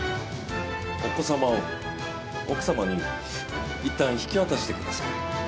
お子様を奥様にいったん引き渡してください。